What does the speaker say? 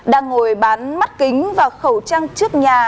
đang ngồi bán mắt kính và khẩu trang trước nhà